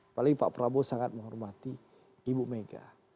apalagi pak prabowo sangat menghormati ibu mega